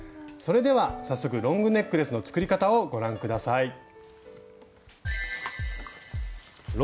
それでは早速ロングネックレスの作り方をご覧下さい。